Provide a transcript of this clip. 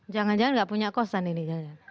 jangan jangan gak punya kosan ini ya